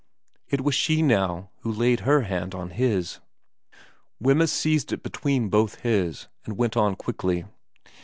It was she now who laid her hand on his. Wemyss seized it between both his, and went on quickly.